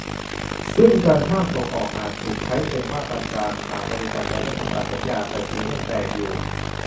ซึ่งการห้ามส่งออกอาจถูกใช้เป็นมาตรการหากบริษัทยังไม่ทำตามสัญญา แต่เสียงยังแตกอยู่